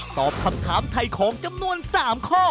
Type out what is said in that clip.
ตอบคำถามไถ่ของจำนวน๓ข้อ